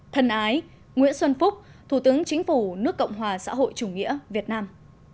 thân ái nguyễn xuân phúc thủ tướng chính phủ nước cộng hòa xã hội chủ nghĩa việt nam